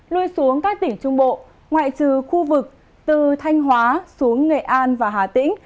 lui xuống các tỉnh trung bộ ngoại trừ khu vực từ thanh hóa xuống nghệ an và hà tĩnh